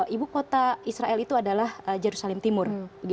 ibu kota israel itu adalah jerusalem timur